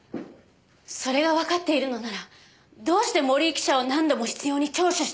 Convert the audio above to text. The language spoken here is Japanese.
それがわかっているのならどうして森井記者を何度も執拗に聴取したのです？